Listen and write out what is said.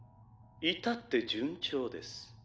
至って順調です。